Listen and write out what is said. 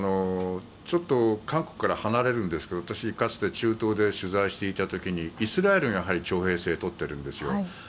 ちょっと韓国から離れるんですが私かつて中東で取材していた時にイスラエルが徴兵制を取っているんですよ。